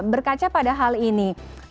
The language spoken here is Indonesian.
berkaca pada hal ini